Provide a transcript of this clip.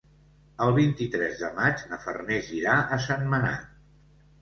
El vint-i-tres de maig na Farners irà a Sentmenat.